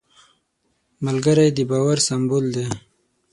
ملګری د باور سمبول دی